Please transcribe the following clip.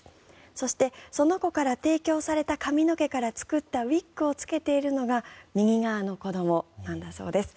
そして、その子から提供された髪の毛から作ったウィッグを着けているのが右側の子どもなんだそうです。